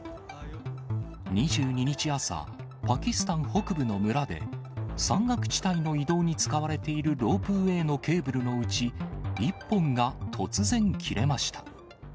２２日朝、パキスタン北部の村で、山岳地帯の移動に使われているロープウエーのケーブルのうち、１本が突然切れました。